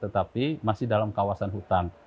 tetapi masih dalam kawasan hutan